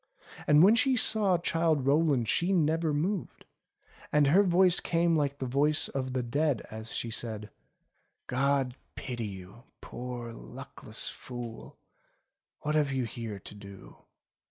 And when she saw Childe Rowland she never moved, and her voice came like the voice of the dead as she said : "God pity you, poor luckless fool ! What have you here to do